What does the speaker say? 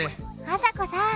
あさこさん！